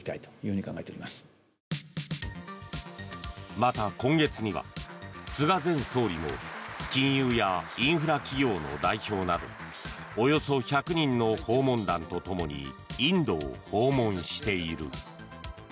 また今月には菅前総理も金融やインフラ企業の代表などおよそ１００人の訪問団とともにインドを訪問している。